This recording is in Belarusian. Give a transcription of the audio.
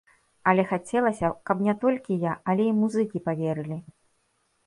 Але хацелася б, каб не толькі я, але і музыкі паверылі.